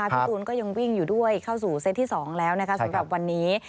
ตูนก็ยังวิ่งอยู่ด้วยเข้าสู่เซตที่๒แล้วนะคะสำหรับวันนี้